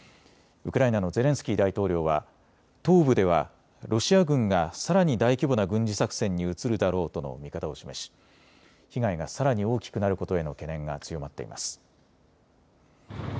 ウクライナのゼレンスキー大統領は、東部ではロシア軍がさらに大規模な軍事作戦に移るだろうとの見方を示し被害がさらに大きくなることへの懸念が強まっています。